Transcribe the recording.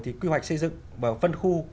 thì quy hoạch xây dựng và phân khu